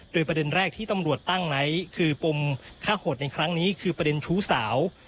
โดยประเด็นแรกที่ตำรวจตั้งไว้คือปมฆ่าโหดในครั้งนี้คือประเด็นชู้สาว